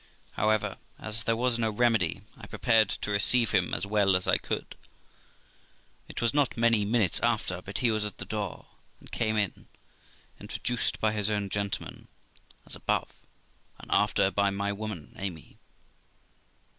However, as there was no remedy, I prepared to receive him as well as I could. It was not many minutes after but he was at the door, and came in, introduced by his own gentleman, as above, and after by my woman, Amy.